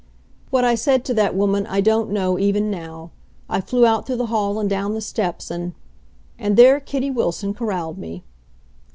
What I said to that woman I don't know even now. I flew out through the hall and down the steps and And there Kitty Wilson corralled me.